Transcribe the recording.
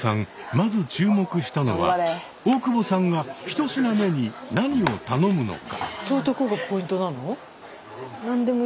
まず注目したのは大久保さんが１品目に何を頼むのか？